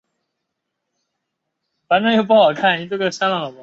同时主动退了学。